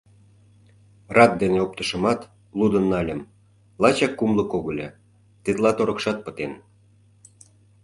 Рад дене оптышымат, лудын нальым: лачак кумло когыльо, тетла торыкшат пытен.